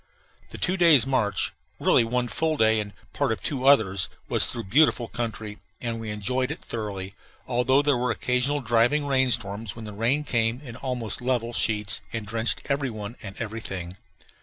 The two days' march really one full day and part of two others was through beautiful country, and we enjoyed it thoroughly, although there were occasional driving rain storms, when the rain came in almost level sheets and drenched every one and everything.